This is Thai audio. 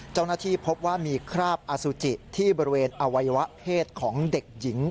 เจ้าหน้าที่พบว่ามีคราบอสุจิที่บริเวณอวัยวะเพศของเด็กหญิง